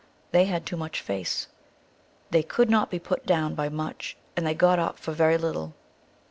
They had too much face. They could not be put down by much, and they got up for very little.